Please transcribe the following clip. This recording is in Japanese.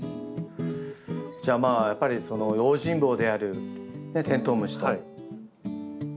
じゃあまあやっぱりその用心棒であるテントウムシとヒメハナカメムシ。